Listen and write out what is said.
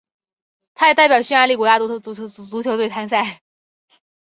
他也代表匈牙利国家足球队参赛。